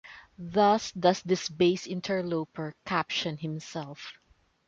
Thus does this base interloper caption himself.